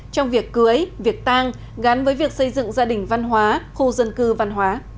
trong việc cưới việc tang gắn với việc xây dựng gia đình văn hóa khu dân cư văn hóa